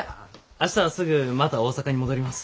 明日はすぐまた大阪に戻ります。